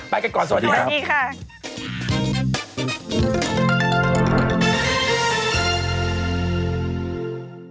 ไปกันก่อนสวัสดีครับสวัสดีค่ะสวัสดีค่ะ